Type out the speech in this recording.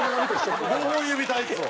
５本指タイツを。